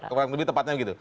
kurang lebih tepatnya begitu